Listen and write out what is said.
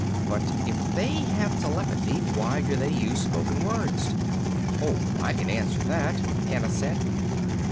"But if they have telepathy, why do they use spoken words?" "Oh, I can answer that," Anna said.